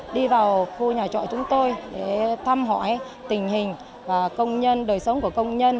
đi vào khu nhà trọ chúng tôi để thăm hỏi tình hình và công nhân đời sống của công nhân